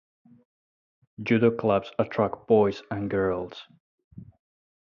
Judo clubs attract boys and girls.